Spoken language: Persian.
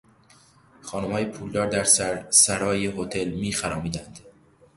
خانمهای پولدار در سرسرای هتل میخرامیدند.